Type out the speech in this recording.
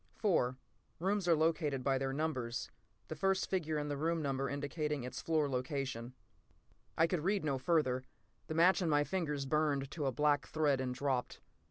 li> Rooms are located by their numbers: the first figure in the room number indicating its floor location. </blockquote> I could read no further. The match in my fingers burned to a black thread and dropped.